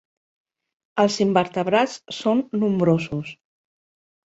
Els invertebrats són nombrosos.